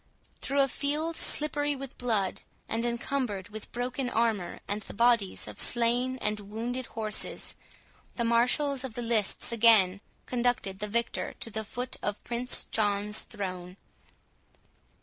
Through a field slippery with blood, and encumbered with broken armour and the bodies of slain and wounded horses, the marshals of the lists again conducted the victor to the foot of Prince John's throne.